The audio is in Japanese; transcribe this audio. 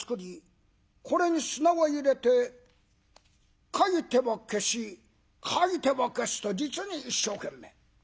これに砂を入れて書いては消し書いては消しと実に一生懸命。